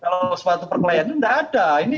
kalau suatu perkelahian itu tidak ada